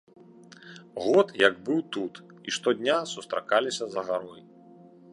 Год як быў тут, і штодня сустракаліся за гарой.